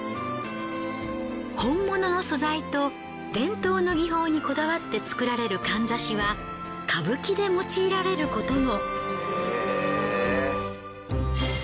本物の素材と伝統の技法にこだわって作られるかんざしは歌舞伎で用いられることも。